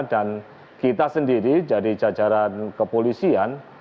dan kita sendiri dari jajaran kepolisian